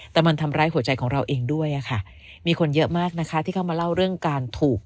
แต่มันทำร้ายหัวใจของเราเองด้วยค่ะมีคนเยอะมากนะคะที่เข้ามาเล่าเรื่องการถูก